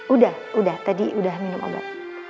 udah udah tadi udah minum obat